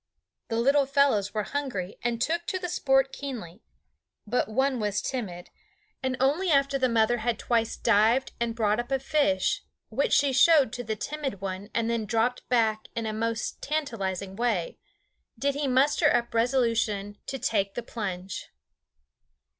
The little fellows were hungry and took to the sport keenly; but one was timid, and only after the mother had twice dived and brought up a fish which she showed to the timid one and then dropped back in a most tantalizing way did he muster up resolution to take the plunge.